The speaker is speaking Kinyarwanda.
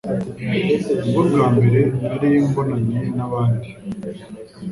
Ni bwo bwa mbere nari mbonanye n'abandi